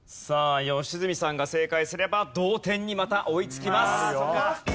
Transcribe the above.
さあ良純さんが正解すれば同点にまた追いつきます。